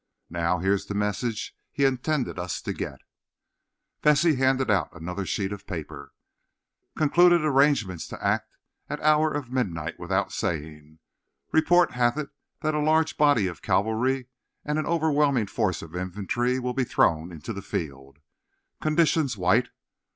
Now, here's the message he intended us to get." Vesey handed out another sheet of paper. Concluded arrangement to act at hour of midnight without saying. Report hath it that a large body of cavalry and an overwhelming force of infantry will be thrown into the field. Conditions white.